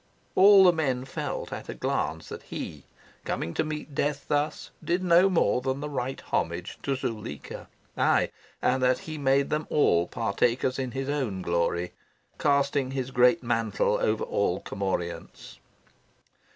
All the men felt at a glance that he, coming to meet death thus, did no more than the right homage to Zuleika aye, and that he made them all partakers in his own glory, casting his great mantle over all commorients.